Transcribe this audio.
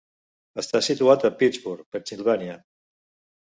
Està situat a Pittsburgh, Pennsilvània.